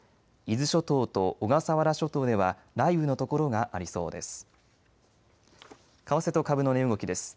伊豆諸島と小笠原諸島では雷雨の所がありそうです。